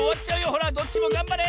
ほらどっちもがんばれ！